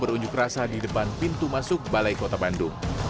berunjuk rasa di depan pintu masuk balai kota bandung